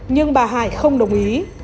nhưng bà hải không đồng ý